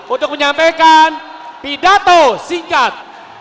untuk menyampaikan pidato singkat